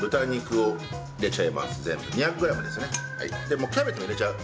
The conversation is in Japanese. もうキャベツも入れちゃう。